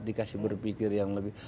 dikasih berpikir yang lebih